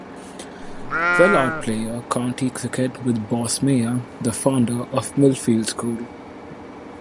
Wellard played county cricket with Boss Meyer, the founder of Millfield School.